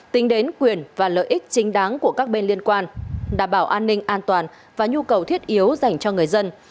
tính đến quyền và lợi ích chính đáng của các bên liên quan đảm bảo an ninh an toàn và nhu cầu thiết yếu dành cho người dân